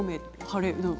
晴れ？